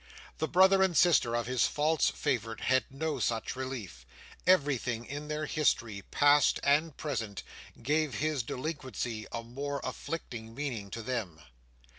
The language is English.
The brother and sister of his false favourite had no such relief; everything in their history, past and present, gave his delinquency a more afflicting meaning to them.